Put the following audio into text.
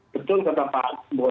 betul kata pak